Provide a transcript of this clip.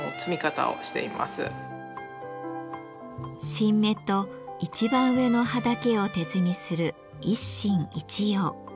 新芽と一番上の葉だけを手摘みする一芯一葉。